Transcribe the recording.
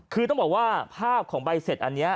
คือต้องบอกว่าภาพของใบเสร็จอันนี้